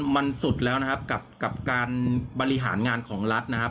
มันสุดแล้วนะครับกับการบริหารงานของรัฐนะครับ